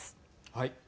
はい。